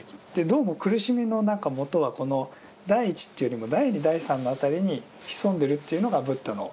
どうも苦しみのもとは第一っていうよりも第二第三の辺りに潜んでるっていうのがブッダの。